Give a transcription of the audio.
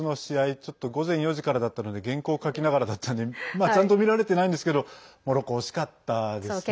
ちょっと午前４時からだったので原稿を書きながらだったのでちゃんと見られてないんですけどモロッコ惜しかったですね。